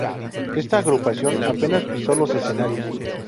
Esta agrupación apenas pisó los escenarios.